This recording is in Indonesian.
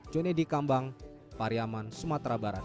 jone dikambang pariaman sumatera barat